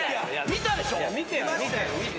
見たでしょ！？